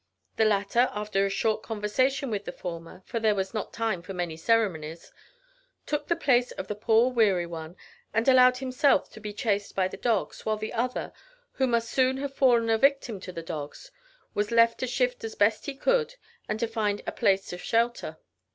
The latter, after a short conversation with the former for there was not time for many ceremonies took the place of the poor weary one, and allowed himself to be chased by the dogs, while the other, who must soon have fallen a victim to the dogs, was left to shift as best he could, and try to find a place of shelter.